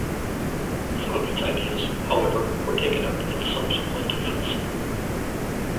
Some of its ideas, however, were taken up in subsequent events.